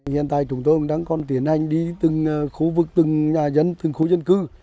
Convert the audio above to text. hiện tại chúng tôi đang còn tiến hành đi từng khu vực từng nhà dân từng khu dân cư